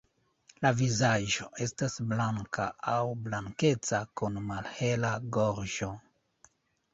La vizaĝo estas blanka aŭ blankeca kun malhela gorĝo.